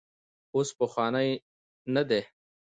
اوس پخوانی نه دی.